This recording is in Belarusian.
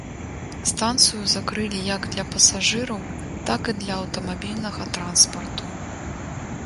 Станцыю закрылі як для пасажыраў, так і для аўтамабільнага транспарту.